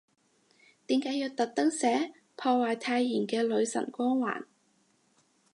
點解要特登寫，破壞太妍嘅女神光環